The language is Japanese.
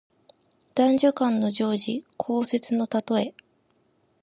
男女間の情事、交接のたとえ。